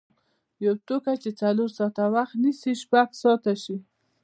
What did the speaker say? یو توکی چې څلور ساعته وخت نیسي شپږ ساعته شي.